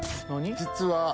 実は。